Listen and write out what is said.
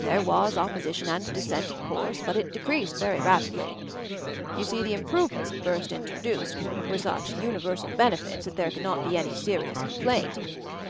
There was opposition and dissent, of course, but it de creased very rapidly. You see the improve ments at first introduced were such univer 266 MOVING THE MOUNTAIN sal benefits that there could not be any seri ous complaint.